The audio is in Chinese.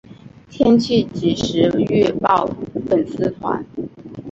天气即时预报粉丝团